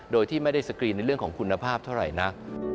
โดยที่ไม่ได้สกรีนในเรื่องของคุณภาพเท่าไหร่นัก